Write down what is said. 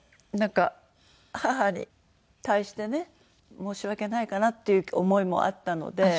なんか母に対してね申し訳ないかなっていう思いもあったので。